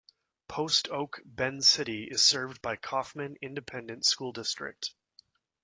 Post Oak Bend City is served by Kaufman Independent School District.